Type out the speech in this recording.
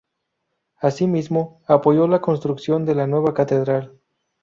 Asimismo, apoyó la construcción de la nueva Catedral.